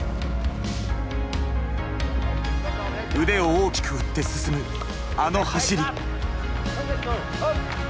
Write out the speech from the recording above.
腕を大きく振って進むあの走り。